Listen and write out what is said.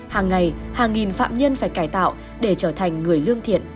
hàng ngày hàng nghìn phạm nhân phải cải tạo để trở thành người lương thiện